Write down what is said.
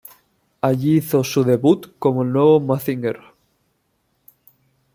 Allí hizo su debut como el nuevo Mazinger.